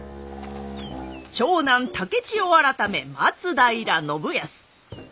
長男竹千代改め松平信康。